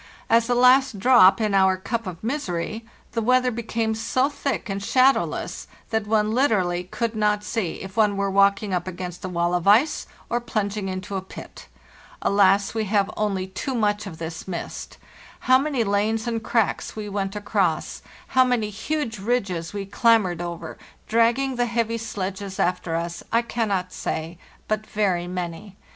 As a last drop in our cup of misery the weather became so thick and shadowless that one literally could not see if one were walking up against a wall of ice or plunging into a pit. Alas, we have only 1) iS) i) FARTHEST NORTH too much of this mist! How many lanes and cracks we went across, how many huge ridges we clambered over, dragging the heavy sledges after us, I cannot say, but very many.